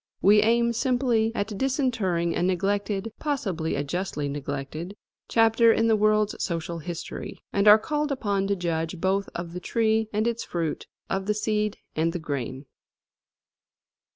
We aim simply at disinterring a neglected, possibly a justly neglected, chapter in the world's social history, and are called upon to judge both of the tree and its fruit, of the seed and the grain.